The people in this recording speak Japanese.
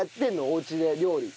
おうちで料理。